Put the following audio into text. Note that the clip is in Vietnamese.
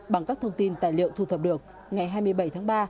bằng các thông tin tài liệu thu thập được ngày hai mươi bảy tháng ba